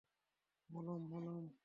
মলম, মলম।